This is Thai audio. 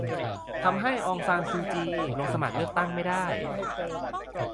ทำให้อองซานซูจี ลงสมัครเลือกตั้งไม่ได้